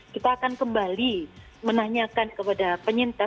kita akan kembali menanyakan kepada penyintas